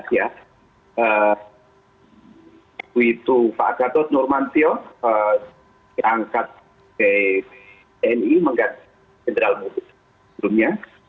yaitu pak agatot normantio diangkat ke tni mengganti general moody sebelumnya